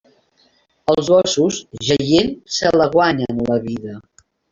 Els gossos, jaient, se la guanyen, la vida.